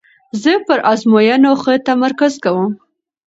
زه پر آزموینو ښه تمرکز کوم.